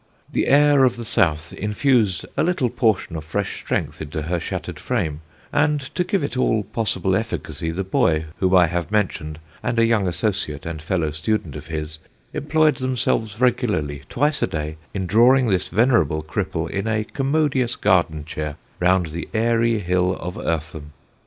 The air of the south infused a little portion of fresh strength into her shattered frame, and to give it all possible efficacy, the boy, whom I have mentioned, and a young associate and fellow student of his, employed themselves regularly twice a day in drawing this venerable cripple in a commodious garden chair round the airy hill of Eartham.